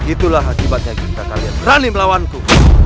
itulah akibatnya kita kalian berani melawanku